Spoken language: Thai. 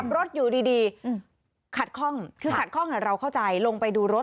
รถอยู่ดีขัดคล่องคือขัดข้องเราเข้าใจลงไปดูรถ